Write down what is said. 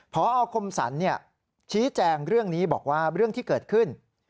พอคมสรรชี้แจงเรื่องนี้บอกว่าเรื่องที่เกิดขึ้น